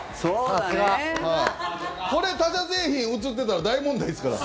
これ、他社製品写ってたら大問題ですから。